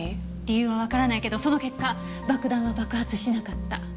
理由はわからないけどその結果爆弾は爆発しなかった。